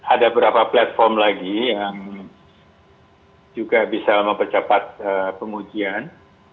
ada beberapa platform lagi yang juga bisa mempercepat pengujian